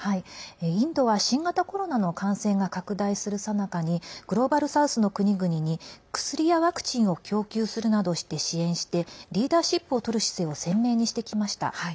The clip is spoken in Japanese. インドは新型コロナの感染が拡大するさなかにグローバル・サウスの国々に薬やワクチンを供給するなどして支援してリーダーシップを取る姿勢を鮮明にしてきました。